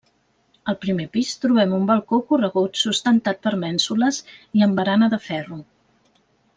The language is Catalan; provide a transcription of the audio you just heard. Al primer pis trobem un balcó corregut sustentat per mènsules i amb barana de ferro.